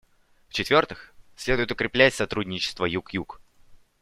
В-четвертых, следует укреплять сотрудничество Юг-Юг.